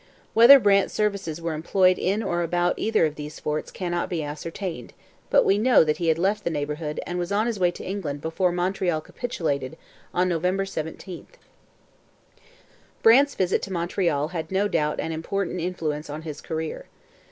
Whether Brant's services were employed in or about either of these forts cannot be ascertained, but we know that he had left the neighbourhood and was on his way to England before Montreal capitulated on November 17. Brant's visit to Montreal had no doubt an important influence on his career.